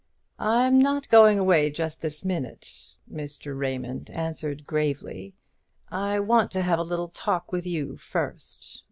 "I'm not going away just this minute," Mr. Raymond answered gravely; "I want to have a little talk with you first.